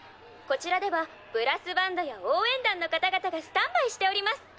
こちらではブラスバンドやおうえん団の方々がスタンバイしております。